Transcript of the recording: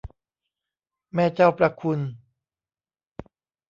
แม่เจ้าประคุณ